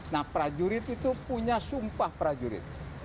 nah prajurit itu punya sumpah prajurit